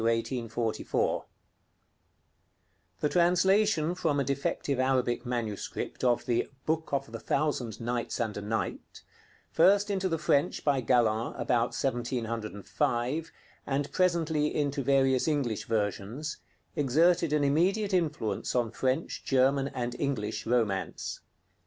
WILLIAM BECKFORD (1759 1844) The translation from a defective Arabic manuscript of the 'Book of the Thousand Nights and A Night,' first into the French by Galland, about 1705, and presently into various English versions, exerted an immediate influence on French, German, and English romance.